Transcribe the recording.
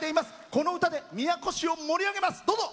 この歌で宮古市を盛り上げます。